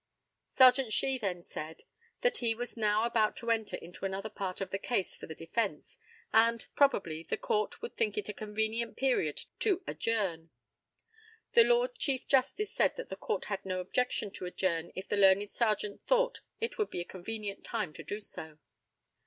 Serjeant SHEE then said, that he was now about to enter into another part of the case for the defence, and, probably, the Court would think it a convenient period to adjourn. The LORD CHIEF JUSTICE said that the Court had no objection to adjourn if the learned Serjeant thought it would be a convenient time to do so.